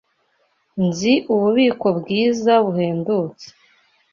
Nzi ububiko bwiza buhendutse.